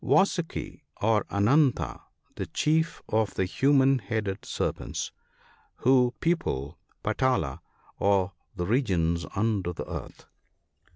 — Vasuki, or Ananta, the chief of the human headed serpents, who people Patala, or the regions under the earth.